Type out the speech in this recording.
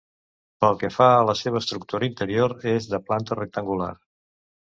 Pel que fa a la seva estructura interior és de planta rectangular.